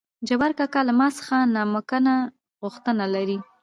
جبار کاکا له ما څخه نامکنه غوښتنه لري.